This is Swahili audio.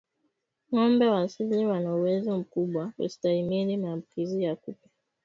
Ngombe wa asili wana uwezo mkubwa kustahimili maambukizi ya kupe